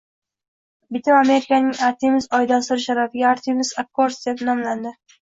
Bitim Amerikaning Artemis oy dasturi sharafiga Artemis Accords deya nomlanadi.